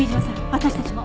私たちも。